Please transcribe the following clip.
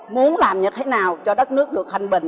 muốn làm như thế nào cho đất nước được hành bình